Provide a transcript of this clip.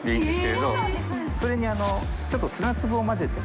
それにちょっと砂粒を混ぜて。